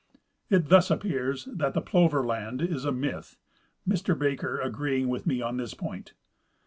It thus appears that the " Plover " land is a myth, Mr Baker agreeing with me on this point.